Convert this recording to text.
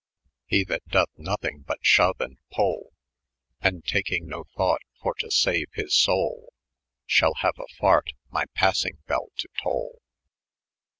185 ' He that dooth nothyng but shaue and poll, And taketh no thought for to saoe hie soli, ShaU haue a fart, my pasayng bel to toll.